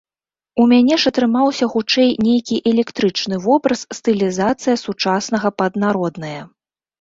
У мяне ж атрымаўся хутчэй нейкі эклектычны вобраз, стылізацыя сучаснага пад народнае.